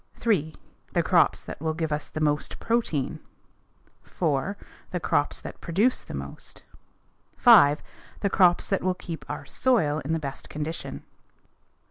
3. The crops that will give us the most protein. 4. The crops that produce the most. 5. The crops that will keep our soil in the best condition.